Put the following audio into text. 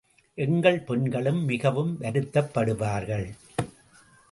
எங்கள் பெண்களும் மிகவும் வருத்தப்படுவார்கள்.